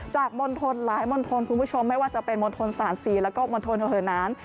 จากโมนทนหลายโมนทนของคุณไม่ว่าจะเป็นโมนทนสารและโมนทนเยอะเหน้าน